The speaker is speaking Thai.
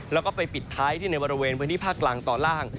แล้วก็ไปปิดท้ายที่ในบริเวณพื้นที่ภาคกลางตอนล่าง